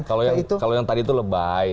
kalau yang tadi itu lebay